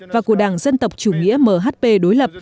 và của đảng dân tộc chủ nghĩa mhp đối lập